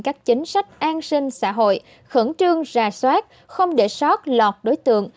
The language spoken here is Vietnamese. các chính sách an sinh xã hội khẩn trương ra soát không để sót lọt đối tượng